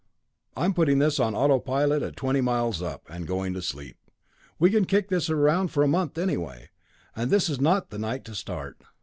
"I'm putting this on autopilot at twenty miles up, and going to sleep. We can kick this around for a month anyway and this is not the night to start."